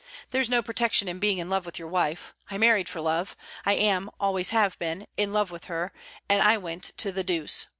There's no protection in being in love with your wife; I married for love; I am, I always have been, in love with her; and I went to the deuce.